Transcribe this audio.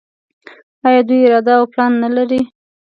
آیا دوی اراده او پلان نلري؟